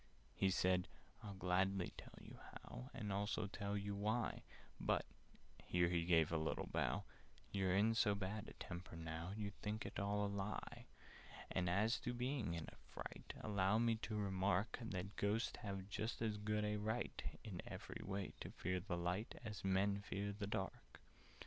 He said "I'd gladly tell you how, And also tell you why; But" (here he gave a little bow) "You're in so bad a temper now, You'd think it all a lie. "And as to being in a fright, Allow me to remark That Ghosts have just as good a right In every way, to fear the light, As Men to fear the dark."